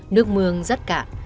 nước mương rất cạn